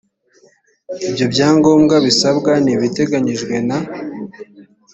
ibyo byangombwa bisabwa n ibiteganyijwe nta